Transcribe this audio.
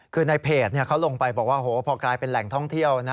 คือในเพจเขาลงไปบอกว่าพอกลายเป็นแหล่งท่องเที่ยวนะ